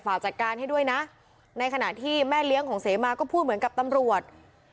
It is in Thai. จัดการให้ด้วยนะในขณะที่แม่เลี้ยงของเสมาก็พูดเหมือนกับตำรวจ